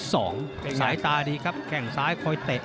สายตาดีครับแข่งซ้ายคอยเตะ